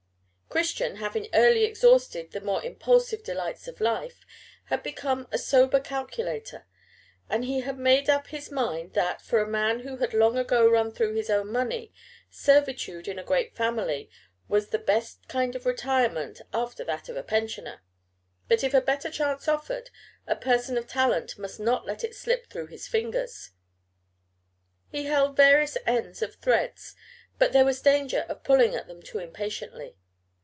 Christian, having early exhausted the more impulsive delights of life, had become a sober calculator; and he had made up his mind that, for a man who had long ago run through his own money, servitude in a great family was the best kind of retirement after that of a pensioner; but if a better chance offered, a person of talent must not let it slip through his fingers. He held various ends of threads, but there was danger of pulling at them too impatiently.